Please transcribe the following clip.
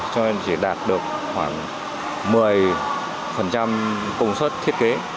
cho nên chỉ đạt được khoảng một công suất thiết kế